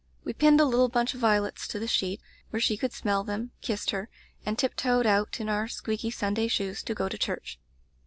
We pinned a little bunch of violets to the sheet, where she could smell them, kissed her, and tiptoed out in our squeaky Sunday shoes, to go to church.